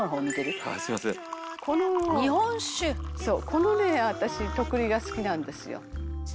「このね私とくりが好きなんですよ」